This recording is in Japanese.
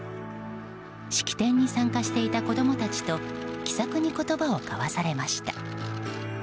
式典に参加していた子供たちと気さくに言葉を交わされました。